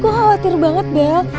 gue khawatir banget bel